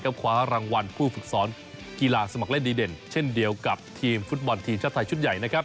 คว้ารางวัลผู้ฝึกสอนกีฬาสมัครเล่นดีเด่นเช่นเดียวกับทีมฟุตบอลทีมชาติไทยชุดใหญ่นะครับ